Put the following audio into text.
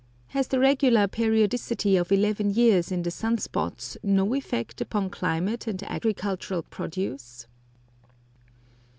Has the regular periodicity of eleven years in the sun spots no effect upon climate and agricultural produce?